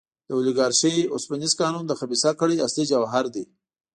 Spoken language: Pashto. د اولیګارشۍ اوسپنیز قانون د خبیثه کړۍ اصلي جوهر دی.